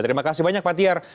terima kasih banyak pak tiar